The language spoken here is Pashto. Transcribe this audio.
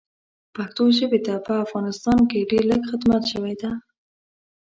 پښتو ژبې ته په افغانستان کې ډېر لږ خدمت شوی ده